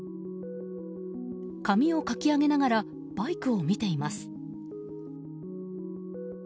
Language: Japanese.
髪をかき上げながらバイクを見ています。